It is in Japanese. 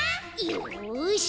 よし！